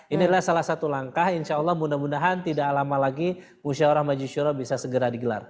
ini adalah salah satu langkah insya allah mudah mudahan tidak lama lagi musyawarah majisyura bisa segera digelar